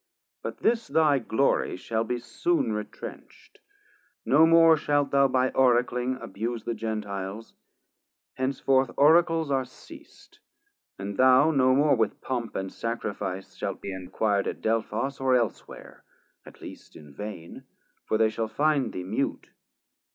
But this thy glory shall be soon retrench'd; No more shalt thou by oracling abuse The Gentiles; henceforth Oracles are ceast, And thou no more with Pomp and Sacrifice Shalt be enquir'd at Delphos or elsewhere, At least in vain, for they shall find thee mute.